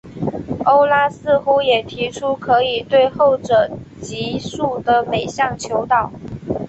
欧拉似乎也提出可以对后者级数的每项求导。